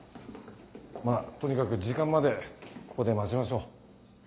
まぁとにかく時間までここで待ちましょう。